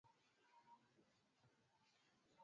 kama ambavyo imeelezwa na shirika la habari